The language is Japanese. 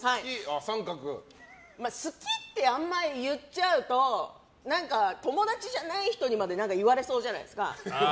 好きってあんまり言っちゃうと何か、友達じゃない人にまで言われそうじゃないですか。